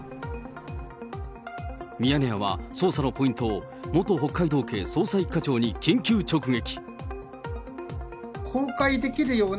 ミヤネ屋は捜査のポイントを元北海道警捜査１課長に緊急直撃。